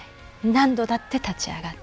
何度だって立ち上がって。